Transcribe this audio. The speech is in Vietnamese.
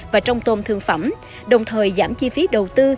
và trong tôm thương phẩm đồng thời giảm chi phí đầu tư